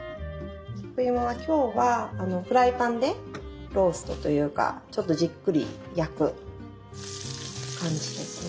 菊芋は今日はフライパンでローストというかちょっとじっくり焼く感じですね